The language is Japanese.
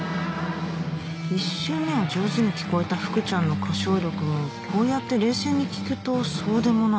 １周目は上手に聴こえた福ちゃんの歌唱力もこうやって冷静に聴くとそうでもない